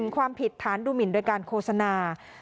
ความผิดฐานดูหมินโดยการโฆษณา